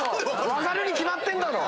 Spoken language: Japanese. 分かるに決まってんだろ。